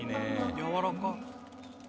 やわらか。